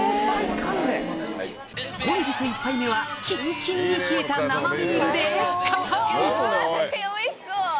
本日１杯目はきんきんに冷えた生ビールでカンパイ！